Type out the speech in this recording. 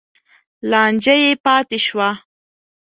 لانجه یې پاتې شوه.